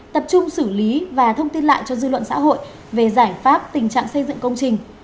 tập trung xử lý và thông tin lại cho dư luận xã hội về giải pháp tình trạng xây dựng công trình